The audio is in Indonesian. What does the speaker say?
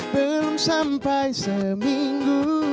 belum sampai seminggu